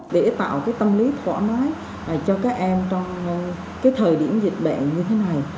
để tạo tâm lý thoải mái cho các em trong thời điểm dịch bệnh như thế này